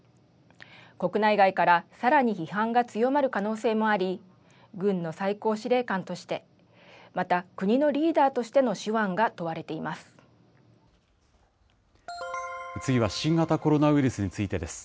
国内外からさらに批判が強まる可能性もあり、軍の最高司令官として、また、国のリーダーとしての次は新型コロナウイルスについてです。